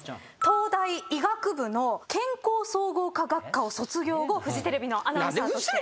東大医学部の健康総合科学科を卒業後フジテレビのアナウンサーとして。